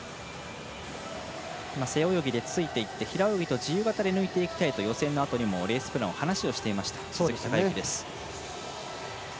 背泳ぎでついていって平泳ぎと自由形で抜いていきたいという予選のあとにもレースプランを話していました鈴木孝幸です。